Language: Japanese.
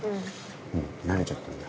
もう慣れちゃったんだ。